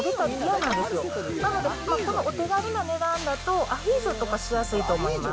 なので、このお手軽な値段だと、アヒージョとかしやすいと思います。